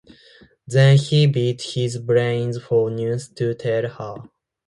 Then he beat his brains for news to tell her.